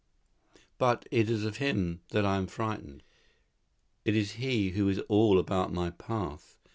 But it is of him that I am frightened. It is he who is all about my path.